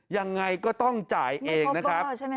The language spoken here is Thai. ยังไงก็ต้องจ่ายเองนะครับ